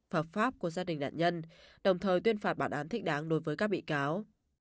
hợp pháp của gia đình đạn nhân đồng thời tuyên phạt bản án thích đáng đối với các bị cáo